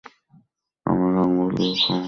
আমরা আঙ্গুল দিয়ে খাব।